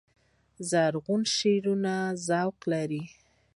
غوږونه د شعرونو ذوق لري